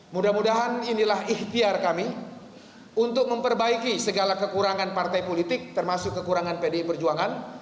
mudah mudahan inilah ikhtiar kami untuk memperbaiki segala kekurangan partai politik termasuk kekurangan pdi perjuangan